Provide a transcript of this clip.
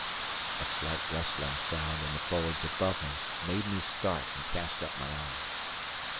A slight rustling sound in the foliage above me made me start and cast up my eyes.